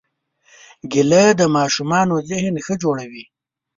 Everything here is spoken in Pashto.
کېله د ماشومانو ذهن ښه جوړوي.